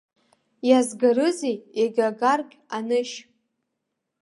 Иазгарызеи, иага агаргь, анышь?!